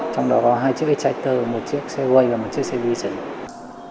trong đó có hai chiếc xe chạy tờ một chiếc xe quay và một chiếc xe vi sửa